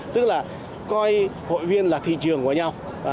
tức là coi hội viên là thị trường của nhau